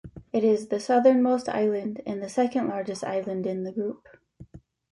It is the southernmost island and the second largest island in the group.